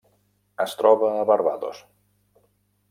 Es troba a Barbados.